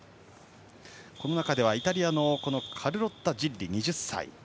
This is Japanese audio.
この中ではイタリアのジッリ、２０歳。